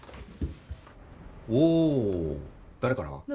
お誰から？